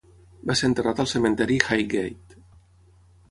Va ser enterrat al cementiri Highgate.